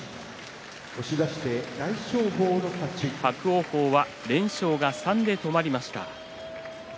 伯桜鵬は連勝が３で止まりました。